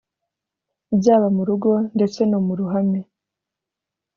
byaba mu rugo ndetse no mu ruhame,